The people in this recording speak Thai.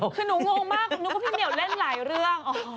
คือหนูงงมากนึกว่าพี่เหมียวเล่นหลายเรื่อง